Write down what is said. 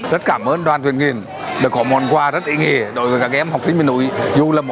rất cảm ơn đoàn thuyền nghiền đã có món quà rất ý nghĩa đối với các em học sinh miền núi